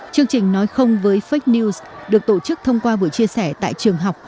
chương trình nói không với fake news được tổ chức thông qua buổi chia sẻ tại trường học